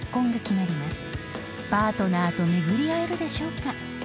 ［パートナーと巡り合えるでしょうか？］